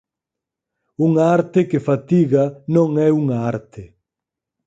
Unha arte que fatiga non é unha arte.